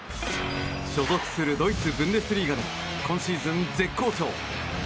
所属するドイツ・ブンデスリーガでも今シーズン絶好調。